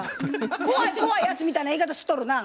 怖い怖いやつみたいな言い方しとるな。